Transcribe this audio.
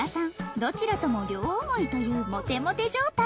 どちらとも両思いというモテモテ状態